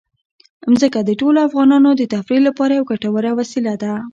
ځمکه د ټولو افغانانو د تفریح لپاره یوه ګټوره وسیله ده.